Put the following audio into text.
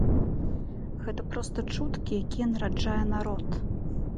Гэта проста чуткі, якія нараджае народ.